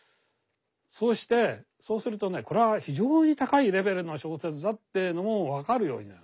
そうしてそうするとねこれは非常に高いレベルの小説だっていうのも分かるようになる。